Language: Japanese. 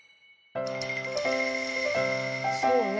「そうね。